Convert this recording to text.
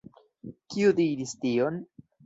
Kiu diris tion?